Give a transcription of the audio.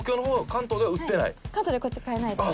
関東ではこっちは買えないです。